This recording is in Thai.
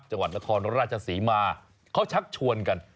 จังหวัดนครราชศรีมาเขาชักชวนกัน